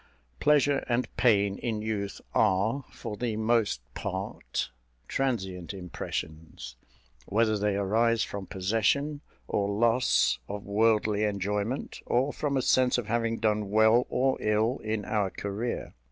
Pleasure and pain, in youth, are, for the most part, transient impressions, whether they arise from possession or loss of worldly enjoyment, or from a sense of having done well or ill in our career.